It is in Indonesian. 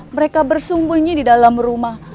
mereka bersembunyi di dalam rumah